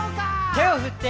「手を振って」